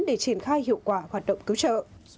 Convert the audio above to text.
để triển khai hiệu quả hoạt động cứu trợ